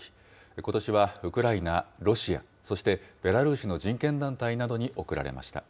ことしはウクライナ、ロシア、そしてベラルーシの人権団体などに贈られました。